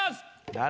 誰？